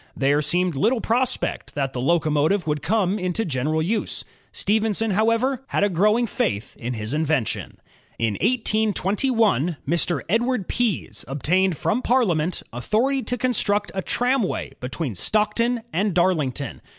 There seemed little prospect that the locomotive would come into general use. Stephenson, however, had a grow 1 ing faith in his invention. In 182 1, Mr. Edward Pease obtained from Parliament authority to construct a tramway between Stockton and Darlington.